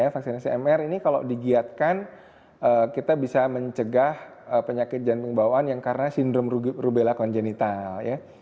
vaksinasi mr ini kalau digiatkan kita bisa mencegah penyakit jantung bawaan yang karena sindrom rubella kongenital ya